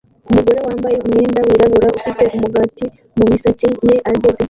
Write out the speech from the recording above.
Umugore wambaye umwenda wirabura ufite umugati mumisatsi ye ageze